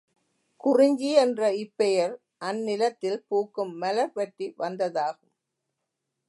குறிஞ்சி என்ற இப்பெயர் அந்நிலத்தில் பூக்கும் மலர்பற்றி வந்ததாகும்.